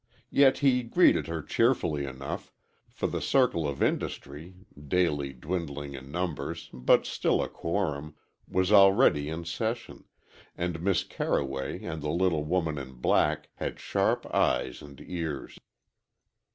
Yet he greeted her cheerfully enough, for the Circle of Industry, daily dwindling in numbers but still a quorum, was already in session, and Miss Carroway and the little woman in black had sharp eyes and ears.